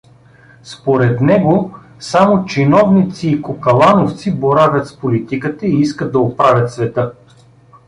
Според него само чиновници и кокалановци боравят с политиката и искат да оправят света.